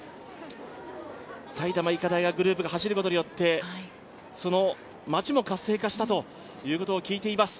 埼玉医科大学グループが走ることによって、街も活性化したと聞いています。